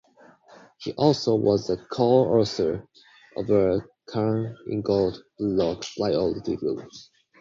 He also was a co-author of the Cahn-Ingold-Prelog priority rules.